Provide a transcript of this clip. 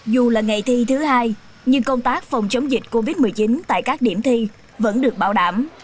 dù là ngày thi thứ hai nhưng công tác phòng chống dịch covid một mươi chín tại các điểm thi vẫn được bảo đảm